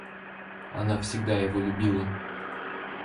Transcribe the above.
Она всегда его любила.